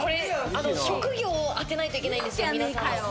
職業を当てないといけないんですよ、皆さんの。